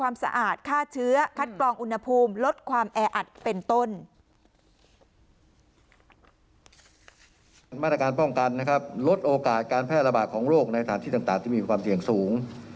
เป็นมาตรการป้องกันนะครับลดโอกาสการแพร่ระบาดของโรคในสถานที่ต่างที่มีความเสี่ยงสูง